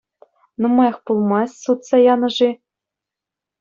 Нумаях пулмасть сутса янӑ-ши?